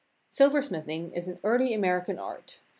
Silversmithing is an early American art.